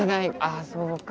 あそうか。